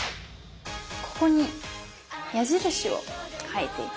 ここに矢印を書いていきます。